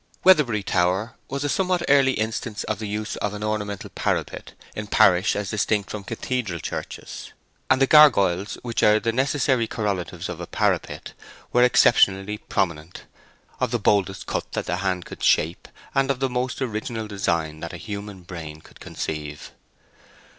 Weatherbury tower was a somewhat early instance of the use of an ornamental parapet in parish as distinct from cathedral churches, and the gurgoyles, which are the necessary correlatives of a parapet, were exceptionally prominent—of the boldest cut that the hand could shape, and of the most original design that a human brain could conceive.